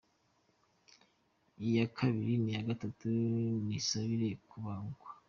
Iya kabiri n’iya gatatu nisabiye kubagwa”.